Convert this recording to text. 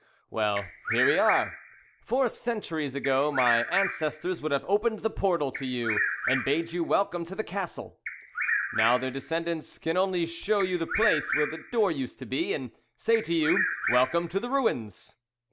Well, here we are! Four centuries ago my ancestors would have opened the portal to you and bade you welcome to the castle. Now their descendants can only show you the place where the door used to be, and say to you, 'Welcome to the ruins!'"